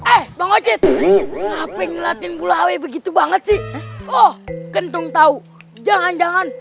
eh bangocit ngapain ngeliatin bulawe begitu banget sih oh kentung tahu jangan jangan